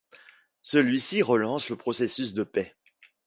Celui-ci relance le processus de paix.